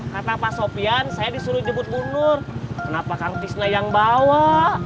kata pak sopyan saya disuruh dibut but nur kenapa kang tisna yang bawa